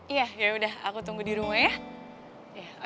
iya yaudah aku tunggu di rumah ya